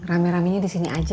rame ramenya disini aja